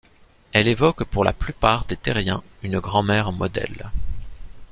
Elle évoque pour la plupart des terriens une grand-mère modèle.